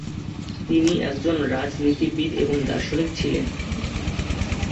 তিনি একজন রাজনীতিবিদ এবং দার্শনিক ছিলেন।